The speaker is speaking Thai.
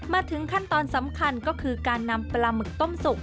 มาถึงขั้นตอนสำคัญก็คือการนำปลาหมึกต้มสุก